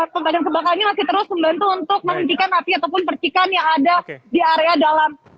pemadam kebakarannya masih terus membantu untuk menghentikan api ataupun percikan yang ada di area dalam